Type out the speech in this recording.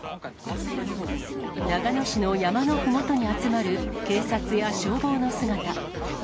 長野市の山のふもとに集まる警察や消防の姿。